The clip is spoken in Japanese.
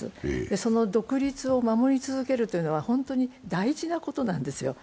その独立を守り続けるのは本当に大事なことなんですよ。